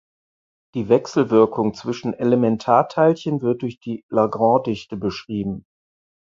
Die Wechselwirkung zwischen Elementarteilchen wird durch die Lagrangedichte beschrieben.